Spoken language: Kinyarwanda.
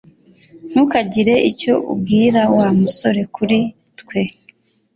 Ntukagire icyo ubwira Wa musore kuri twe